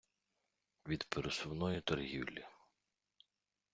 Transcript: від пересувної торгівлі.